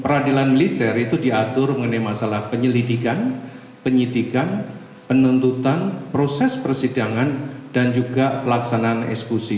peradilan militer itu diatur mengenai masalah penyelidikan penyidikan penuntutan proses persidangan dan juga pelaksanaan eksekusi